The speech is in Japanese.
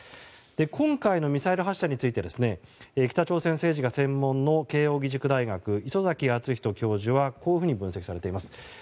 今回のミサイル発射について北朝鮮政治が専門の慶應義塾大学、礒崎敦仁教授はこう分析しています。